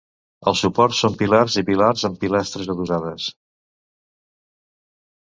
Els suports són pilars i pilars amb pilastres adossades.